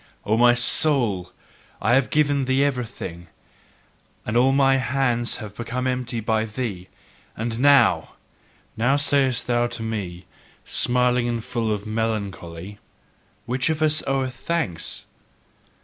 O my soul, I have given thee everything, and all my hands have become empty by thee: and now! Now sayest thou to me, smiling and full of melancholy: "Which of us oweth thanks?